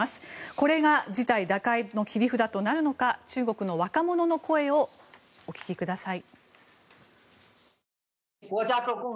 これが事態打開の切り札となるのか中国の若者の声をお聞きください。